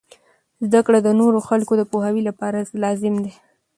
زده کړه د نورو خلکو د پوهاوي لپاره لازم دی.